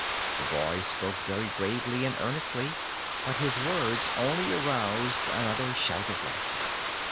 The boy spoke very gravely and earnestly, but his words only aroused another shout of laughter.